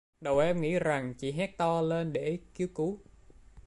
Đầu em nghĩ rằng chỉ hét to lên để kêu cứu